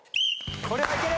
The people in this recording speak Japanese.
これはいける！